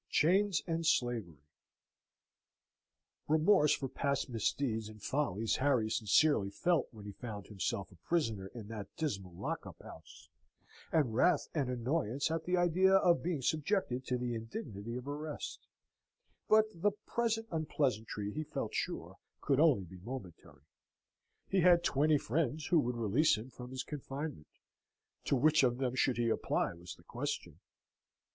Chains and Slavery Remorse for past misdeeds and follies Harry sincerely felt, when he found himself a prisoner in that dismal lock up house, and wrath and annoyance at the idea of being subjected to the indignity of arrest; but the present unpleasantry he felt sure could only be momentary. He had twenty friends who would release him from his confinement: to which of them should he apply, was the question.